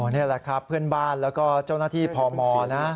นี่แหละครับเพื่อนบ้านแล้วก็เจ้าหน้าที่พมนะ